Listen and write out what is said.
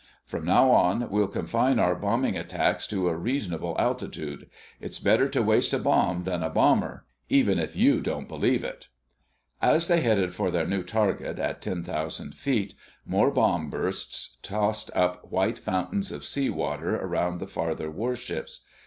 From now on we'll confine our bombing attacks to a reasonable altitude. It's better to waste a bomb than a bomber, even if you don't believe it." As they headed for their new target at ten thousand feet, more bomb bursts tossed up white fountains of sea water around the farther warships.